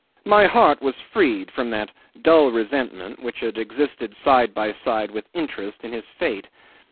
My heart was freed from that dull resentment which had existed side by side with interest in his fate.